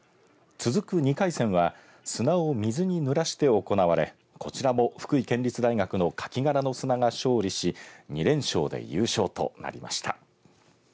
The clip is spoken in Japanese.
続く２回戦は砂を水にぬらして行われこちらも福井県立大学のかき殻の砂が勝利し２連勝で優勝となりました。